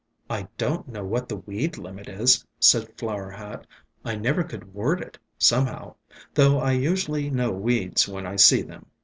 84 ESCAPED FROM GARDENS "I don't know what the weed limit is," said Flower Hat. "I never could word it, somehow, though I usually know weeds when I see them.